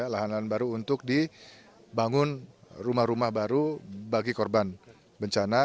lahan lahan baru untuk dibangun rumah rumah baru bagi korban bencana